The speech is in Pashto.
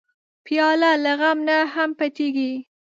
پیاله له غم نه هم پټېږي.